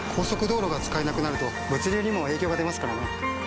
速道路が使えなくなると物流にも影響が出ますからね。